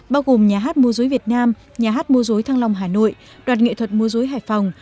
bao gồm nhà hát mô dối việt nam nhà hát mô dối thăng long hà nội đoạt nghệ thuật mua dối hải phòng